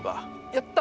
やった！